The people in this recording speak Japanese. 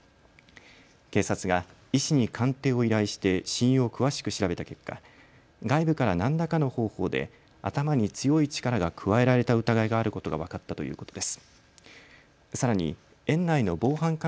警察が医師に鑑定を依頼して死因を詳しく調べた結果、外部から何らかの方法で頭に強い力が加えられた疑いがあることが分かったということです。